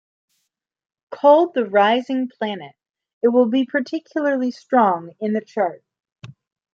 Called the "rising planet" it will be particularly strong in the chart.